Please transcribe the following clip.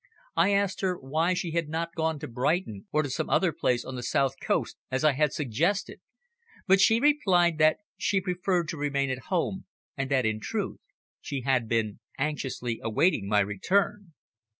I asked her why she had not gone to Brighton or to some other place on the south coast as I had suggested, but she replied that she preferred to remain at home, and that in truth she had been anxiously awaiting my return.